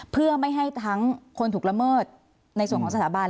เพื่อไม่ให้ทั้งคนถูกละเมิดในส่วนของสถาบัน